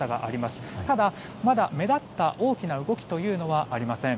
ただ、まだ目立った大きな動きというのはありません。